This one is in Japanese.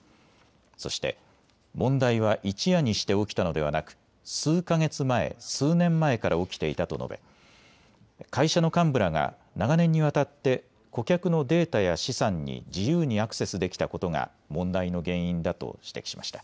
そして、問題は一夜にして起きたのではなく数か月前、数年前から起きていたと述べ会社の幹部らが長年にわたって顧客のデータや資産に自由にアクセスできたことが問題の原因だと指摘しました。